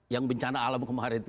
yang bencana alam kemarin itu